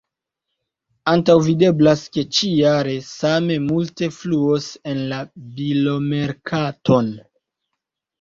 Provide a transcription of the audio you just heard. Antaŭvideblas ke ĉi-jare same multe fluos en la bilomerkaton.